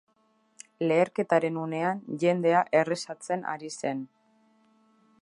Leherketen unean jendea errezatzen ari zen.